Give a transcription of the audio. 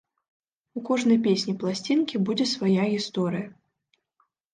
У кожнай песні пласцінкі будзе свая гісторыя.